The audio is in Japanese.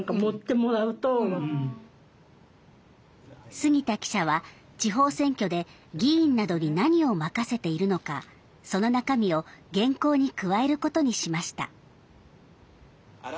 杉田記者は、地方選挙で議員などに何を任せているのかその中身を原稿に加えることにしました。